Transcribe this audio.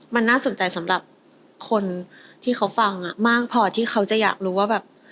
มันน่าสนใจสำหรับคนที่เขาฟังมากพอที่เขาจะอยากรู้ว่าแบบ